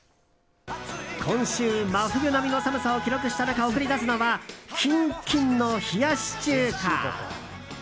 今週、真冬並みの寒さを記録した中送り出すのはキンッキンの冷やし中華！